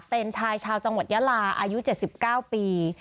เป็นชายชาวจังหวัดยาลาอายุ๗๙ปี